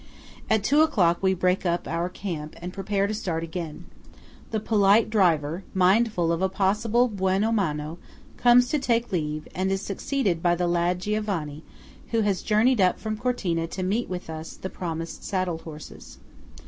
At two o'clock, we break up our camp, and prepare to start again. The polite driver, mindful of a possible buono mano, comes to take leave, and is succeeded by the lad Giovanni, who has journeyed up from Cortina to meet us with the promised saddle horses.